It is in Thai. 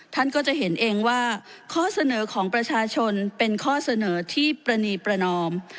ท่านก็จะเห็นเองว่าข้อเสนอของประชาชนเป็นข้อเสนอที่ประณีประนอม